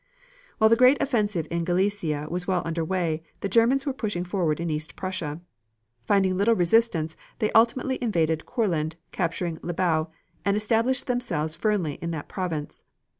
While the great offensive in Galicia was well under way, the Germans were pushing forward in East Prussia. Finding little resistance they ultimately invaded Courland, captured Libau, and established themselves firmly in that province.